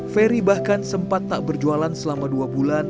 ferry bahkan sempat tak berjualan selama dua bulan